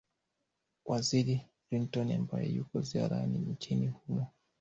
waziri clinton ambaye yuko ziarani nchini humo